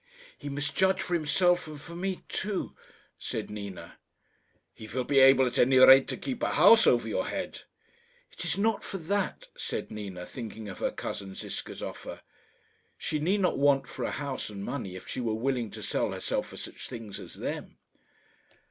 "He must judge for himself and for me too," said Nina. "He will be able, at any rate, to keep a house over your head." "It is not for that," said Nina, thinking of her cousin Ziska's offer. She need not want for a house and money if she were willing to sell herself for such things as them.